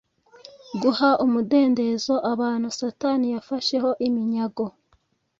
guha umudendezo abantu satani yafasheho iminyago